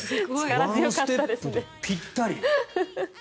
ワンステップでぴったり！